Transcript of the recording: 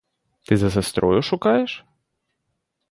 Ти за сестрою шукаєш?